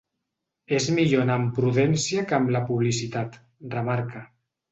És millor anar amb prudència que amb la publicitat, remarca.